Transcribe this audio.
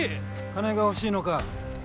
金が欲しいのか。